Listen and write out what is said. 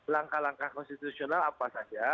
langkah langkah konstitusional apa saja